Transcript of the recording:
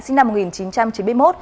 sinh năm một nghìn chín trăm chín mươi một